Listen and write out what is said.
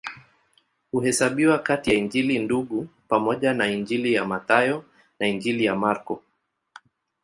Huhesabiwa kati ya Injili Ndugu pamoja na Injili ya Mathayo na Injili ya Marko.